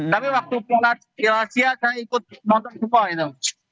tapi waktu kelas kelasia saya ikut nonton sebuah itu